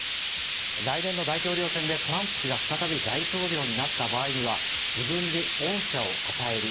来年の大統領選でトランプ氏が再び大統領になった場合には自分に恩赦を与える。